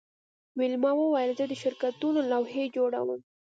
ویلما وویل زه د شرکتونو لوحې جوړوم